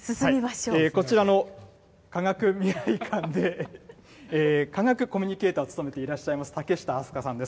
こちらの科学未来館で、科学コミュニケーターを務めていらっしゃいます竹下あすかさんです。